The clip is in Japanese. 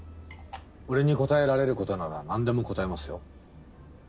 俺に答えられることなら何でも答えますよ。